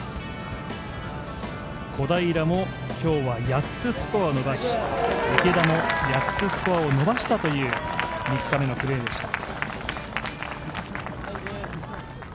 小平も今日は８つスコアを伸ばし、池田も８つスコアを伸ばしたという３日目のプレーでした。